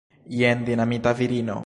Jen dinamita virino!